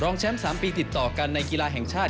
แชมป์๓ปีติดต่อกันในกีฬาแห่งชาติ